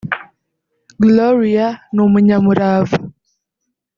Gloria ni umunyamurava